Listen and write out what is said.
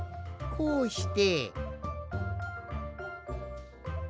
こうして。